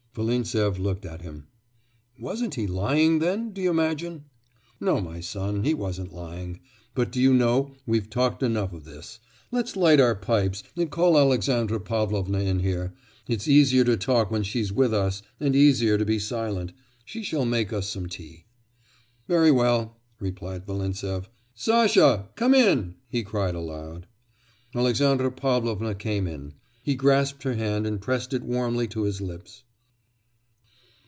Volintsev looked at him. 'Wasn't he lying then, do you imagine?' 'No, my son, he wasn't lying. But, do you know, we've talked enough of this. Let's light our pipes and call Alexandra Pavlovna in here. It's easier to talk when she's with us and easier to be silent. She shall make us some tea.' 'Very well,' replied Volintsev. 'Sasha, come in,' he cried aloud. Alexandra Pavlovna came in. He grasped her hand and pressed it warmly to his lips.